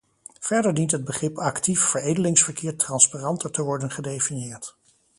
Verder dient het begrip actief veredelingsverkeer transparanter te worden gedefinieerd.